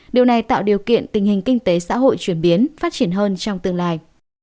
điều này tạo điều kiện tình hình kinh tế xã hội chuyển biến phát triển hơn trong tương lai